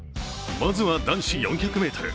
まずは、男子４００ｍ。